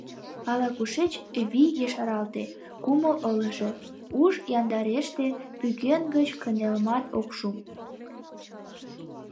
Ала-кушеч вий ешаралте, кумыл ылыже, уш яндареште — пӱкен гыч кынелмат ок шу.